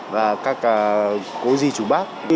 và các cô dì chú bác